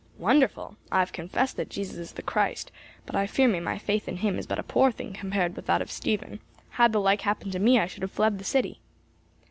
'" "Wonderful! I have confessed that Jesus is the Christ, but I fear me my faith in him is but a poor thing compared with that of Stephen; had the like happened to me I should have fled the city."